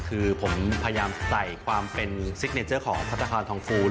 คือผมพยายามใส่ความเป็นซิกเนเจอร์ของพัฒนาคารทองฟูน